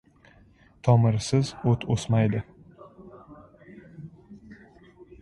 • Tomirsiz o‘t o‘smaydi.